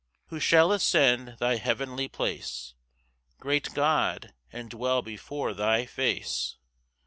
1 Who shall ascend thy heavenly place, Great God, and dwell before thy face?